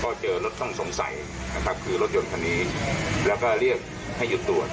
ก็เจอรถต้องสงสัยนะครับคือรถยนต์คันนี้แล้วก็เรียกให้หยุดตรวจ